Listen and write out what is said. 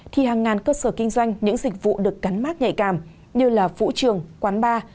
thì hàng ngàn cơ sở kinh doanh những dịch vụ được cắn mát nhạy cảm như là vũ trường quán bar